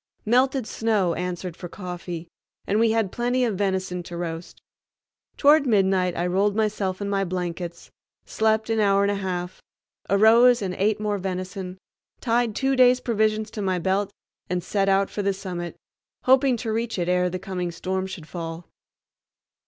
Melted snow answered for coffee, and we had plenty of venison to roast. Toward midnight I rolled myself in my blankets, slept an hour and a half, arose and ate more venison, tied two days' provisions to my belt, and set out for the summit, hoping to reach it ere the coming storm should fall.